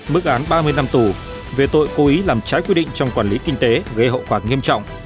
mức án ba mươi năm tù về tội cố ý làm trái quy định trong quản lý kinh tế gây hậu quả nghiêm trọng